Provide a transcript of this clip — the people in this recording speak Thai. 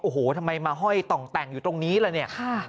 โอ้โหทำไมมาห้อยต่องแต่งอยู่ตรงนี้ล่ะเนี่ย